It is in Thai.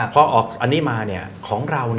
พอออกอันนี้มาของเรา